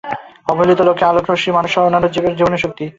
অবলোহিত আলোক রশ্মি মানুষসহ অন্যান জীবের জীবন রক্ষী শক্তি।